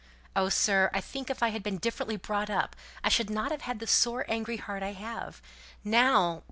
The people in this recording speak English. Oh, sir, I think if I had been differently brought up I shouldn't have had the sore angry heart I have. Now!